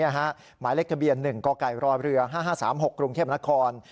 หมายเลขทะเบียน๑กกรเรือ๕๕๓๖กรุงเทพนคร